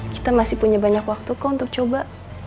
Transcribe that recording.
kita masih punya banyak waktuku untuk coba